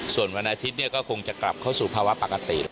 ส่วนวันอาทิตย์ก็คงจะกลับเข้าสู่ภาวะปกติ